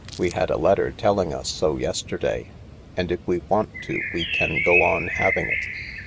We had a letter telling us so yesterday. And if we want to we can go on having it."